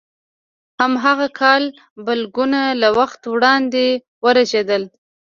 هماغه کال بلګونه له وخته وړاندې ورژېدل.